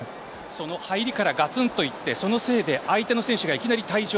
その入りからガツンと行って、そのせいで相手の選手がいきなり退場。